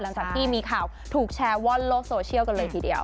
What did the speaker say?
หลังจากที่มีข่าวถูกแชร์ว่อนโลกโซเชียลกันเลยทีเดียว